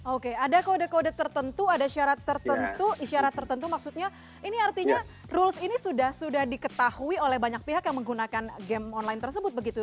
oke ada kode kode tertentu ada syarat tertentu isyarat tertentu maksudnya ini artinya rules ini sudah sudah diketahui oleh banyak pihak yang menggunakan game online tersebut begitu ya